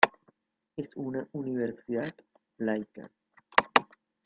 Es una universidad laica.